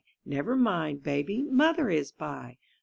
Never mind, Baby, Mother is by.